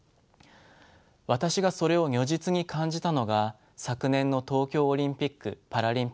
私がそれを如実に感じたのが昨年の東京オリンピック・パラリンピックです。